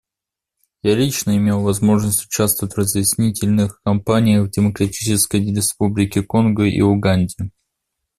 Я лично имел возможность участвовать в разъяснительных кампаниях в Демократической Республике Конго и Уганде.